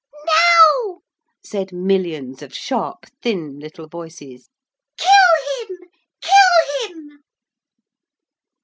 'Now,' said millions of sharp thin little voices, 'Kill him, kill him!'